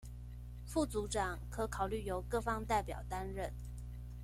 副組長可考慮由各方代表擔任